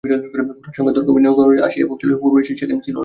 গোরার সঙ্গে তর্কে বিনয় যে জায়গায় আসিয়া পৌঁছিল পূর্বে সেখানে সে ছিল না।